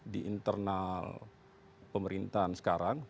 di internal pemerintahan sekarang